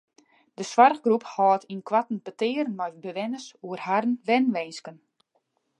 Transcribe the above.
De soarchgroep hâldt ynkoarten petearen mei bewenners oer harren wenwinsken.